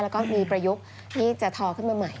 แล้วก็มีประยุกต์ที่จะทอขึ้นมาใหม่